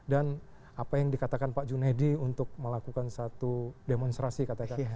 dan apa yang dikatakan pak junedi untuk melakukan satu demonstrasi katakan